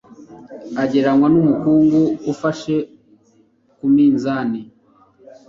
agereranywa numukungugu ufashe ku minzani